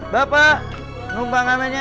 bapak lombang aminnya